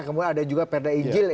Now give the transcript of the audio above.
kemudian ada juga perda injil